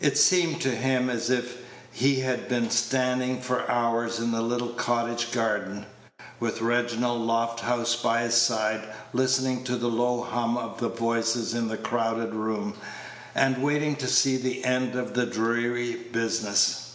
It seemed to him as if he had been standing for hours in the little cottage garden, with Reginald Lofthouse by his side, listening to the low hum of the voices in the crowded room, and waiting to see the end of the dreary business.